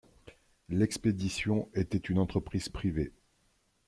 L’expédition était une entreprise privée.